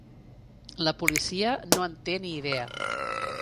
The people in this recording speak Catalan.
La policia no en té ni idea.